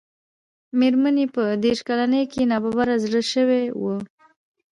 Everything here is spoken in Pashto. مېرمن يې په دېرش کلنۍ کې ناببره زړه شوې وه.